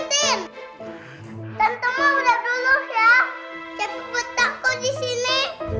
cepi gak disakitin